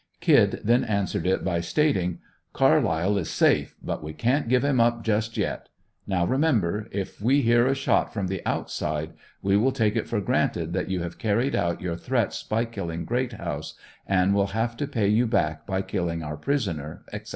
"Kid" then answered it by stating: "Carlyle is safe, but we can't give him up just yet. Now remember, if we hear a shot from the outside we will take it for granted that you have carried out your threats by killing Greathouse, and will have to pay you back by killing our prisoner," etc.